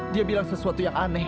dia bilang sesuatu yang aneh